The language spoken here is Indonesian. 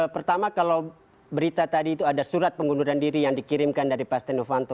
pertama kalau berita tadi itu ada surat pengunduran diri yang dikirimkan dari pak stenovanto